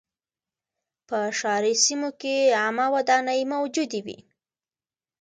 په ښاري سیمو کې عامه ودانۍ موجودې وې.